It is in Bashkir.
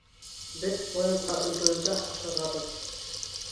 Беҙ поезға өлгөрөргә ашыгабыҙ.